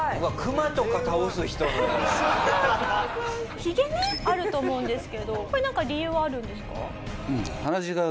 ヒゲねあると思うんですけどこれなんか理由はあるんですか？